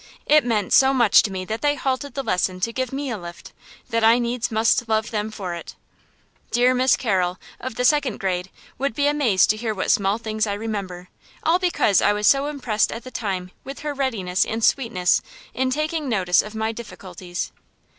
It meant so much to me that they halted the lesson to give me a lift, that I needs must love them for it. Dear Miss Carrol, of the second grade, would be amazed to hear what small things I remember, all because I was so impressed at the time with her readiness and sweetness in taking notice of my difficulties.